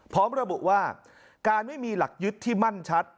พร้อมระบุว่าการไม่มีหลักยึดที่มั่นชัด